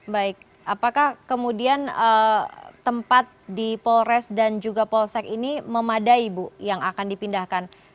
baik apakah kemudian tempat di polres dan juga polsek ini memadai bu yang akan dipindahkan